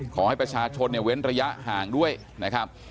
ขอให้ประชาชนเนี่ยเว้นระยะห่างด้วยนะครับ